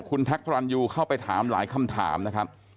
คุณแท็กพระรันยูเข้าไปถามหลายคำถามนะครับ